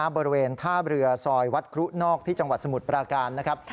บริเวณท่าเรือซอยวัดครุนอกที่จังหวัดสมุทรปราการนะครับ